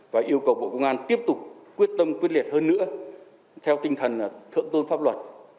và yêu cầu bộ công an tiếp tục quyết tâm quyết liệt hơn nữa theo tinh thần thượng tôn pháp luật